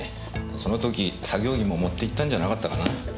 その時作業着も持っていったんじゃなかったかな。